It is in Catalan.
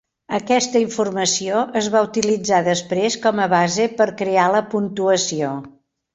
Aquesta informació es va utilitzar després com a base per crear la puntuació.